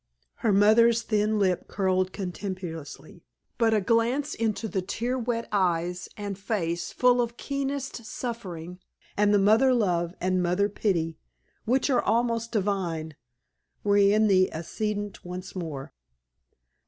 Her mother's thin lip curled contemptuously; but a glance into the tear wet eyes and face full of keenest suffering, and the mother love and mother pity which are almost divine were in the ascendent once more.